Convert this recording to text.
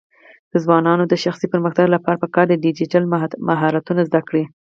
د ځوانانو د شخصي پرمختګ لپاره پکار ده چې ډیجیټل مهارتونه زده کړي.